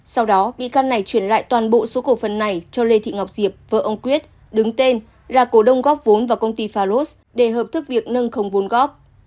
sau đó bị can này chuyển lại toàn bộ số cổ phần này cho lê thị ngọc diệp vợ ông quyết đứng tên là cổ đông góp vốn vào công ty faros để hợp thức việc nâng không vốn góp